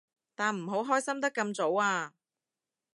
但唔好開心得咁早啊